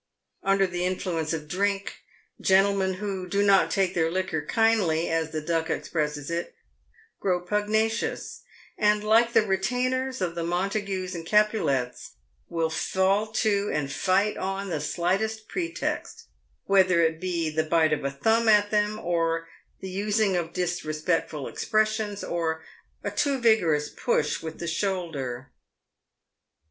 Under the influence of drink, gentlemen "who do not take their liquor kindly," as the Duck expresses it, grow pugnacious, and like the retainers of the Mon tagues and Capulets, will fall to and fight on the slightest pretext, whether it be the " bite of a thumb at them," or the using of dis respectful expressions, or a too vigorous push with the shoulder.